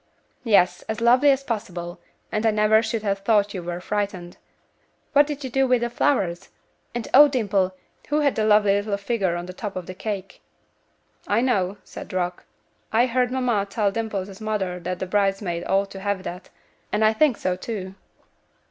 "Yes; as lovely as possible, and I never should have thought you were frightened. What did you do with the flowers? And, oh Dimple, who had the lovely little figure on top of the cake?" "I know," said Rock. "I heard mamma tell Dimple's mother that the bridesmaid ought to have that; and I think so, too."